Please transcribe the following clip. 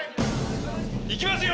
行きますよ